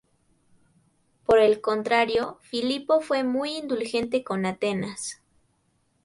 Por el contrario, Filipo fue muy indulgente con Atenas.